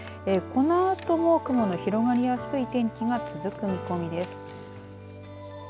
このあとも、雲の広がりやすい天気が続く見込みです。